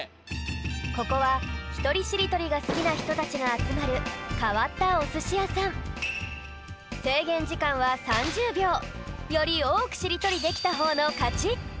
ここはひとりしりとりがすきなひとたちがあつまるかわったおすしやさんよりおおくしりとりできたほうのかち！